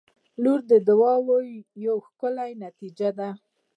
• لور د دعاوو یوه ښکلي نتیجه ده.